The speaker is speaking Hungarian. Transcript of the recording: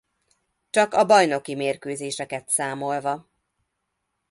Csak a bajnoki mérkőzéseket számolva.